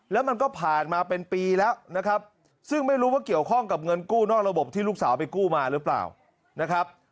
แล้วมันก็ผ่านมาเป็นปีแล้วนะครับซึ่งไม่รู้ว่าเกี่ยวข้องกับเงินกู้นอกระบบที่ลูกสาวไปกู้มาหรือเปล่านะครับ